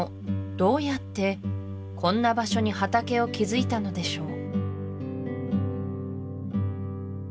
どうやってこんな場所に畑を築いたのでしょう？